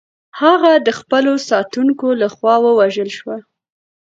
هغه د خپلو ساتونکو لخوا ووژل شوه.